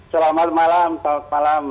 selamat malam pak